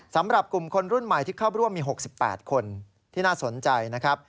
สำหรับกลุ่มคนรุ่นใหม่ที่เข้าร่วมมี๖๘คนที่น่าสนใจนะครับ